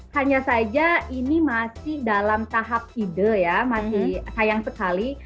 hanya saja ini masih dalam tahap ide ya masih sayang sekali